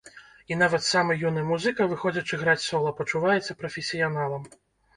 І нават самы юны музыка, выходзячы граць сола, пачуваецца прафесіяналам!